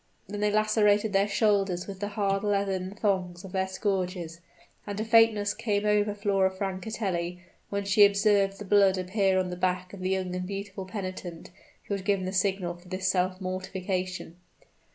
Then they lacerated their shoulders with the hard leathern thongs of their scourges; and a faintness came over Flora Francatelli when she observed the blood appear on the back of the young and beautiful penitent who had given the signal for this self mortification.